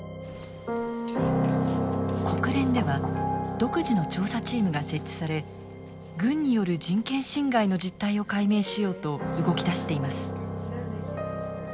国連では独自の調査チームが設置され軍による人権侵害の実態を解明しようと動き出しています。